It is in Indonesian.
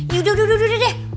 yaudah udah deh